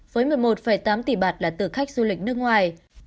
với một mươi một tám tỷ bạt là từ khách du lịch nước ngoài